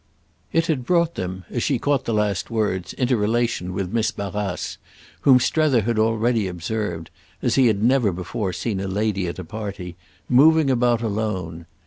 It had brought them, as she caught the last words, into relation with Miss Barrace, whom Strether had already observed—as he had never before seen a lady at a party—moving about alone.